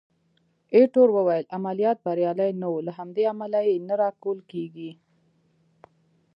ایټور وویل: عملیات بریالي نه وو، له همدې امله یې نه راکول کېږي.